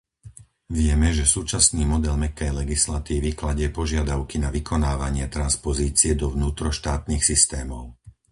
Vieme, že súčasný model mäkkej legislatívy kladie požiadavky na vykonávanie transpozície do vnútroštátnych systémov.